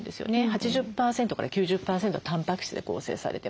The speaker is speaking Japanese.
８０％から９０％はたんぱく質で構成されてます。